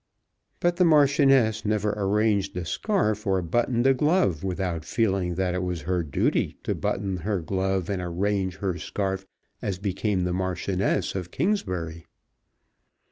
But the Marchioness never arranged a scarf or buttoned a glove without feeling that it was her duty to button her glove and arrange her scarf as became the Marchioness of Kingsbury.